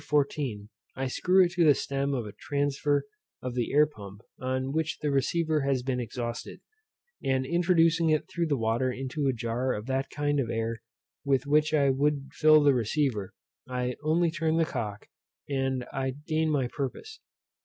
14, I screw it to the stem of a transfer of the air pump on which the receiver had been exhausted, and introducing it through the water into a jar of that kind of air with which I would fill the receiver, I only turn the cock, and I gain my purpose.